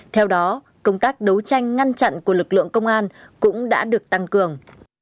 theo đó công tác đấu tranh ngăn chặn của lực lượng công an cũng đã được tăng cường